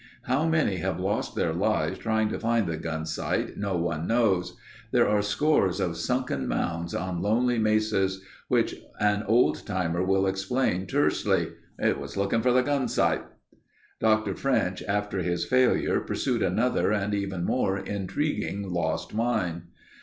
How many have lost their lives trying to find the Gunsight no one knows. There are scores of sunken mounds on lonely mesas which an old timer will explain tersely: "He was looking for the Gunsight." Dr. French, after his failure, pursued another and even more intriguing lost mine.